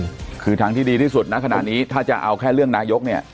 คือทางที่ดีที่สุดนะขณะนี้ถ้าจะเอาแค่เรื่องนายกเนี่ย